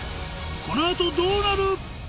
この後どうなる⁉